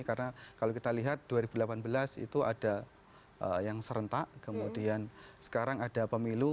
karena kalau kita lihat dua ribu delapan belas itu ada yang serentak kemudian sekarang ada pemilu